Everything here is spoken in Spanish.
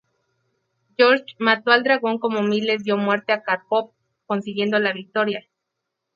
George mató al dragón como Miles dio muerte a Karpov consiguiendo la victoria.